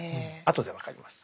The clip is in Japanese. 後で分かります。